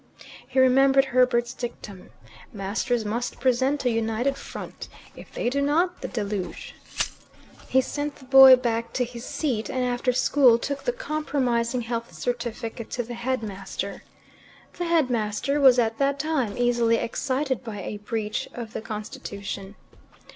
He remembered Herbert's dictum: "Masters must present a united front. If they do not the deluge." He sent the boy back to his seat, and after school took the compromising health certificate to the headmaster. The headmaster was at that time easily excited by a breach of the constitution.